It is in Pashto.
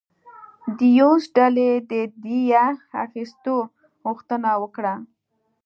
د یونس ډلې د دیه اخیستو غوښتنه وکړه.